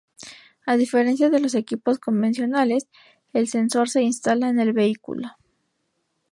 A diferencia de los equipos convencionales, el sensor se instala en el vehículo.